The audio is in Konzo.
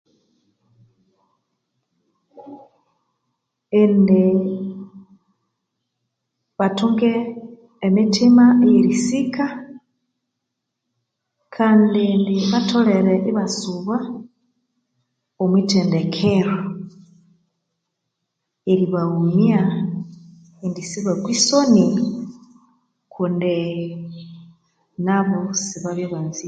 Indi bathunge e mithima eyerisika kandi indi batholere ibasuba omwithendekero, eribaghumya indi sibakwe isoni kundi nabu sibabya banzire